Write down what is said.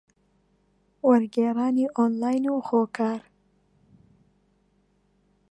وەرگێڕانی ئۆنلاین و خۆکار